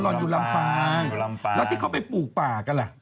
อนอยู่ลำปางอยู่ลำปางแล้วที่เขาไปปลูกป่ากันล่ะ